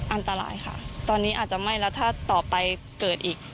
อันตรายค่ะตอนนี้อาจจะไหม้แล้วถ้าต่อไปเกิดอีก